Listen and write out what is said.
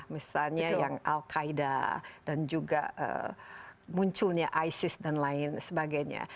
misalnya yang al qaeda dan juga munculnya isis dan lain sebagainya